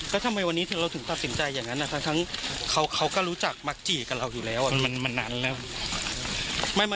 เขาก็มีลูกมีเมียเหมือนเรา